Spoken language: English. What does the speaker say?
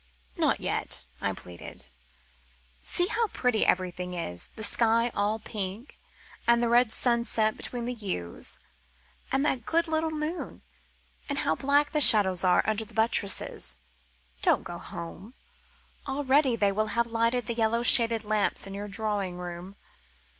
"Not yet," I pleaded. "See how pretty everything is. The sky all pink, and the red sunset between the yews, and that good little moon. And how black the shadows are under the buttresses. Don't go home already they will have lighted the yellow shaded lamps in your drawing room.